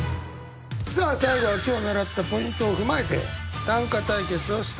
さあ最後は今日習ったポイントを踏まえて短歌対決をしたいと思います。